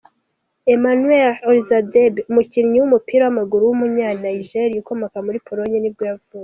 Emmanuel Olisadebe, umukinnyi w’umupira w’amaguru w’umunyanigeriya ukomoka muri Pologne nibwo yavutse.